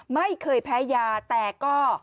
ไม่เคยแพ้ยาแต่ก็